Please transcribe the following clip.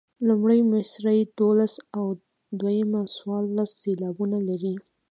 لومړۍ مصرع دولس او دویمه څوارلس سېلابونه لري.